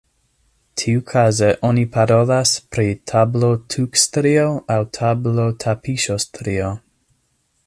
Tiukaze oni parolas pri tablotukstrio aŭ tablotapiŝostrio.